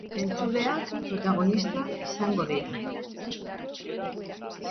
Entzuleak protagonista izango dira.